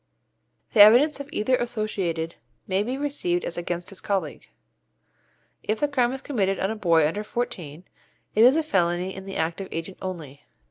The evidence of either associated may be received as against his colleague. If the crime is committed on a boy under fourteen, it is a felony in the active agent only.